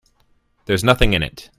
There's nothing in it.